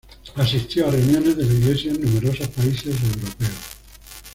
Asistió a reuniones de la Iglesia en numerosos países Europeos.